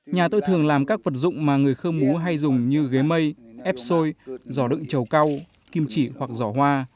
nhà tôi thường làm các vật dụng mà người khơ mú hay dùng như ghế mây ép xôi giỏ đựng trầu cao kim chỉ hoặc giỏ hoa